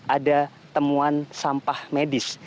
ada temuan sampah medis